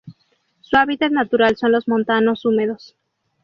Su hábitat natural son los montanos húmedos.